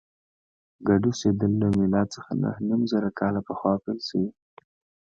ګډ اوسېدل له میلاد څخه نهه نیم زره کاله پخوا پیل شوي.